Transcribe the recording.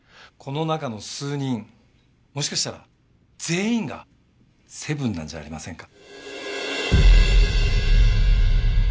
この中の数人もしかしたら全員がセブンなんじゃありませんか？